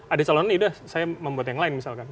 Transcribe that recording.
ada calon ini udah saya membuat yang lain misalkan